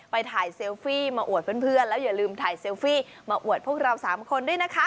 ไปถ่ายเซลฟี่มาอวดเพื่อนแล้วอย่าลืมถ่ายเซลฟี่มาอวดพวกเรา๓คนด้วยนะคะ